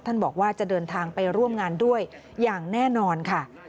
บอกว่าจะเดินทางไปร่วมงานด้วยอย่างแน่นอนค่ะ